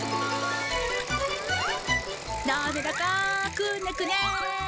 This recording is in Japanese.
なめらかくねくね。